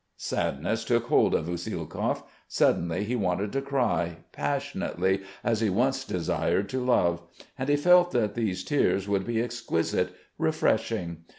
Sadness took hold of Usielkov. Suddenly he wanted to cry, passionately, as he once desired to love.... And he felt that these tears would be exquisite, refreshing.